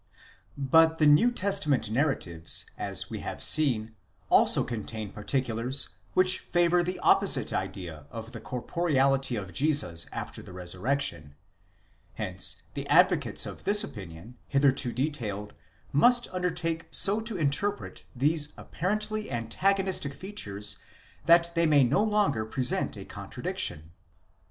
But the New Testament narratives, as we have seen, also contain particulars which favour the opposite idea of the corporeality of Jesus after the resurrec tion : hence the advocates of the opinion hitherto detailed must undertake so to interpret these apparently antagonistic features that they may no longer present a contradiction.